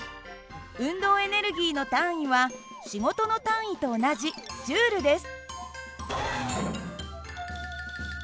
運動エネルギーの単位は仕事の単位と同じＪです。